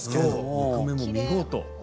木目も見事。